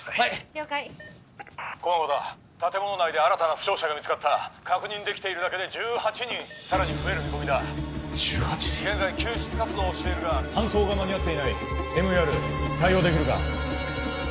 了解駒場だ建物内で新たな負傷者が見つかった確認できているだけで１８人さらに増える見込みだ１８人現在救出活動をしているが搬送が間に合っていないＭＥＲ対応できるか？